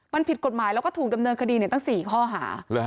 มันผิดกฎหมายแล้วก็ถูกดำเนินคดีตั้ง๔ข้อหา